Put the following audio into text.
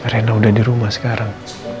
karena udah di rumah sekarang